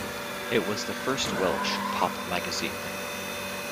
It was the first Welsh pop magazine.